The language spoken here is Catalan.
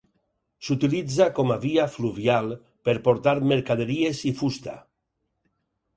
S'utilitza com a via fluvial per portar mercaderies i fusta.